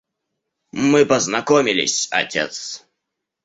Мы познакомились, отец!